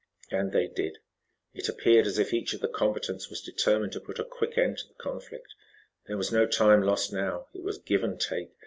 And they did. It appeared as if each of the combatants was determined to put a quick end to the conflict. There was no lost time now. It was give and take.